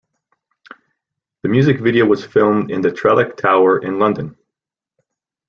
The music video was filmed in the Trellick Tower in London.